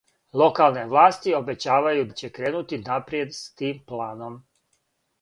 Локалне власти обећавају да ће кренути напријед с тим планом.